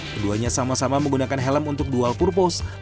keduanya sama sama menggunakan helm untuk dual purpose